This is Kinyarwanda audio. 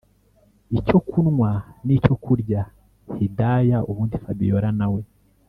icyokunwa nicyo kurya hidaya ubundi fabiora nawe